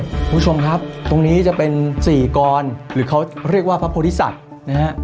คุณผู้ชมครับตรงนี้จะเป็นสี่กรหรือเขาเรียกว่าพระโพธิสัตว์นะฮะ